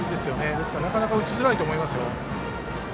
ですからなかなか打ちづらいと思います。